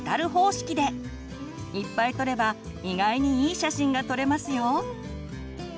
いっぱい撮れば意外にいい写真が撮れますよ！